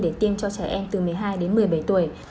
để tiêm cho trẻ em từ một mươi hai đến một mươi bảy tuổi